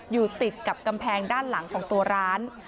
อยู่ติดกับกำแพงด้านหลังของตัวร้าน